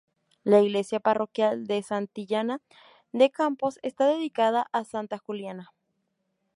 La iglesia parroquial de Santillana de Campos está dedicada a Santa Juliana.